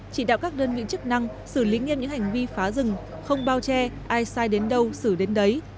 chỉ đạo các đơn vị chức năng xử lý nghiêm những hành vi phá rừng không bao che ai sai đến đâu xử đến đấy